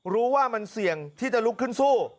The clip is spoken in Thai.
รู้ว่ามันเสี่ยงที่จะลุกขึ้นสู้